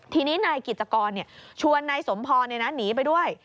ทีนี้นายกิจกรชวนนายสมพรหนีไปด้วย